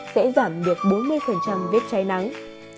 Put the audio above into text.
sẽ giảm được bốn mươi vết cháy nắng